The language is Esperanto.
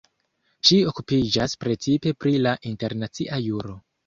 Ŝi okupiĝas precipe pri la internacia juro.